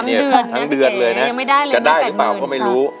จะได้ดิหรือเปล่าก็ไม่รู้